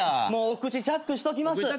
お口チャックしときます。